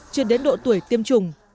chưa đến độ tuổi tiêm chủng